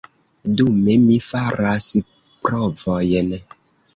Dume, mi faras provojn.